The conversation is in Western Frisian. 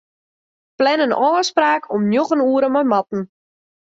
Plan in ôfspraak om njoggen oere mei Marten.